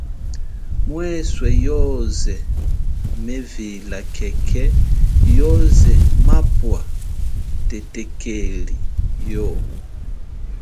Mweswe yoze mevila khekhe yoze mapwa thethekeli yo.